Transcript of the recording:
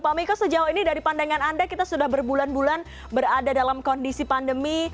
pak miko sejauh ini dari pandangan anda kita sudah berbulan bulan berada dalam kondisi pandemi